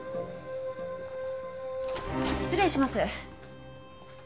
失礼します。